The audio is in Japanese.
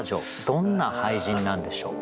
どんな俳人なんでしょう？